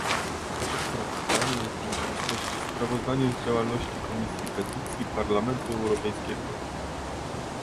To sprawozdanie jest w rzeczywistości sprawozdaniem z działalności Komisji Petycji Parlamentu Europejskiego